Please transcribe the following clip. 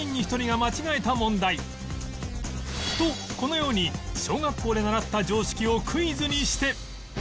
実はこれとこのように小学校で習った常識をクイズにして